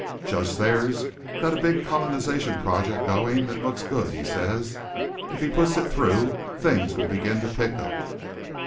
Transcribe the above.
"Judge Thayer's got a big colonization project going that looks good, he says. If he puts it through things will begin to pick up."